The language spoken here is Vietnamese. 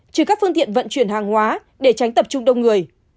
trừ các phương tiện vận chuyển hàng hóa để tránh tập trung đông người